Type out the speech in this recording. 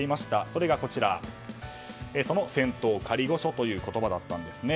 それが仙洞仮御所という言葉だったんですね。